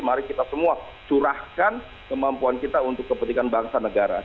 mari kita semua curahkan kemampuan kita untuk kepentingan bangsa negara